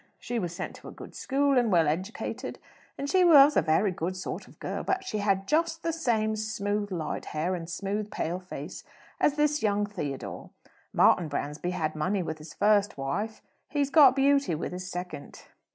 She was sent to a good school and well educated, and she was a very good sort of girl; but she had just the same smooth, light hair, and smooth, pale face as this young Theodore. Martin Bransby had money with his first wife he's got beauty with his second."